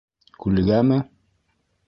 Күлгәме?